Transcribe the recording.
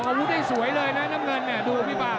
อาวุธได้สวยเลยนะน้ำเงินดูพี่ปาก